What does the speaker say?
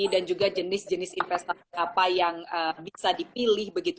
dan juga jenis jenis investasi apa yang bisa dipilih